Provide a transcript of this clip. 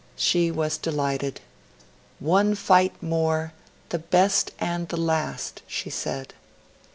She was delighted. 'One fight more, the best and the last,' she said.